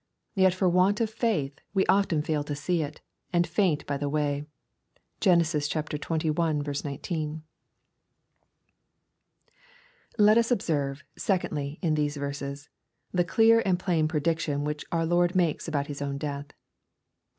Yet for want of faith we often fail to see it, and faint by the way. (Gen. xxi. 19 ) Let us observe, secondly, in these verses, the clear and plain prediction which our Lord makes about His own death.